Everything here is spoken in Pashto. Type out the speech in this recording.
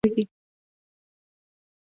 جلغوزي چین ته د هوايي دهلیز له لارې ځي